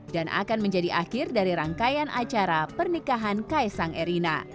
dan akan menjadi akhir dari rangkaian acara pernikahan kaisang erina